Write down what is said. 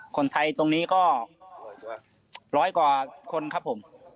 คนไทยตรงนี้ก็ร้อยกว่าคนครับผม